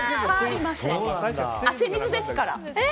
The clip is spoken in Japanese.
汗水ですから。